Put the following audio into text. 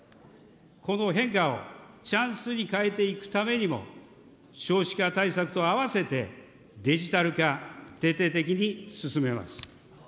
この変化をチャンスに変えていくためにも、少子化対策とあわせてデジタル化、徹底的に進めます。